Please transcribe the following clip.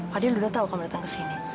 fadil udah tau kamu datang kesini